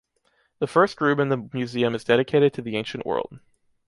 The first room in the museum is dedicated to ancient world.